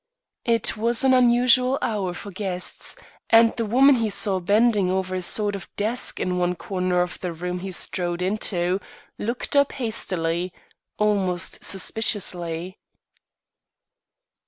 It was an unusual hour for guests, and the woman whom he saw bending over a sort of desk in one corner of the room he strode into, looked up hastily, almost suspiciously.